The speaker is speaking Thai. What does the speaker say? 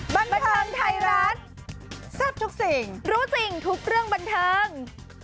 บันเทิงไทยรัฐแซ่บทุกสิ่งรู้จริงทุกเรื่องบันเทิง